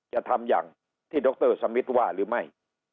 จะทำอย่างที่ดรสมิทว่าหรือไม่